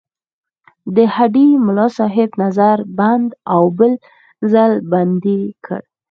د هډې ملاصاحب نظر بند او بل ځل بندي کړ.